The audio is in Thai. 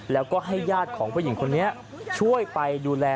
แล้วก็ให้ญาติของผู้หญิงคนนี้ช่วยไปดูแล